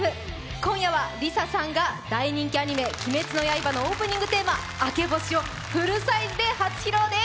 今夜はＬｉＳＡさんが大人気アニメ「鬼滅の刃」のオープニングテーマ「明け星」をフルサイズ初披露です。